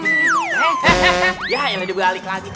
tidak ada dibalik lagi